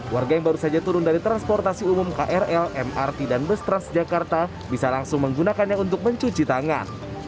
warga yang baru saja turun dari transportasi umum krl mrt dan bus transjakarta bisa langsung menggunakannya untuk mencuci tangan